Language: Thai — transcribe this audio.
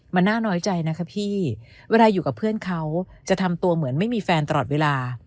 มันน่าน้อยใจนะคะพี่เวลาอยู่กับเพื่อนเขาจะทำตัวเหมือนไม่มีแฟนตลอดเวลา